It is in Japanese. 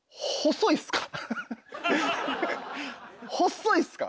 細いっすか？